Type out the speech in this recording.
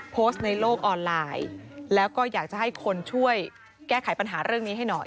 โพสต์ในโลกออนไลน์แล้วก็อยากจะให้คนช่วยแก้ไขปัญหาเรื่องนี้ให้หน่อย